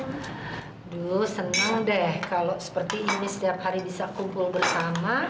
dulu senang deh kalau seperti ini setiap hari bisa kumpul bersama